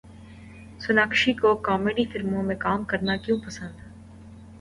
سوناکشی کو کامیڈی فلموں میں کام کرنا کیوں پسند